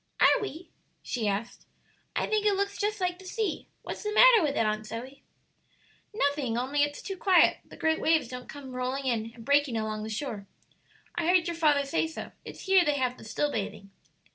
"Are we?" she asked, "I think it looks just like the sea; what's the matter with it, Aunt Zoe?" "Nothing, only it's too quiet; the great waves don't come rolling in and breaking along the shore. I heard your father say so; it's here they have the still bathing."